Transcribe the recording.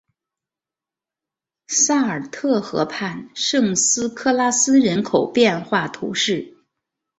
萨尔特河畔圣斯科拉斯人口变化图示